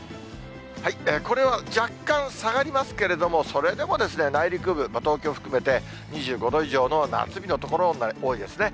これは若干、下がりますけれども、それでも内陸部、東京含めて２５度以上の夏日の所、多いですね。